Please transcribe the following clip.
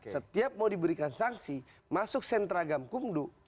setiap mau diberikan sanksi masuk sentra gamkung